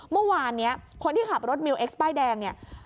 เมื่อวานนี้คนที่ขับรถมิวเอ็กซ์ป้ายแดงเนี่ย